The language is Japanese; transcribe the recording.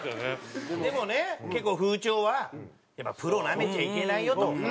でもね結構風潮はやっぱりプロをなめちゃいけないよと。